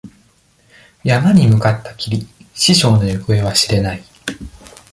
山に向かったきり、師匠の行方は知れない。